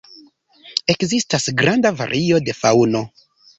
Ekzistas granda vario de faŭno.